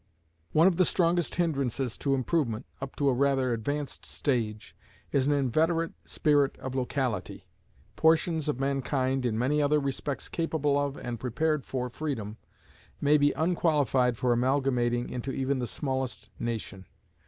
One of the strongest hindrances to improvement, up to a rather advanced stage, is an inveterate spirit of locality. Portions of mankind, in many other respects capable of, and prepared for freedom, may be unqualified for amalgamating into even the smallest nation.